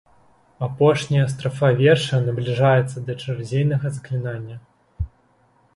Апошняя страфа верша набліжаецца да чарадзейнага заклікання.